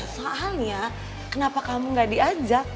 soalnya kenapa kamu gak diajak